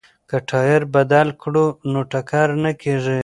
که ټایر بدل کړو نو ټکر نه کیږي.